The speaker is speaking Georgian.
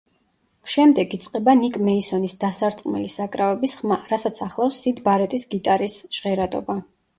შემდეგ იწყება ნიკ მეისონის დასარტყმელი საკრავების ხმა, რასაც ახლავს სიდ ბარეტის გიტარის ჟღერადობა.